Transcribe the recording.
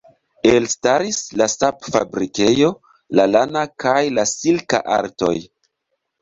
Elstaris la sap-fabrikejo, la lana kaj la silka artoj.